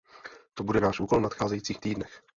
To bude náš úkol v nadcházejících týdnech.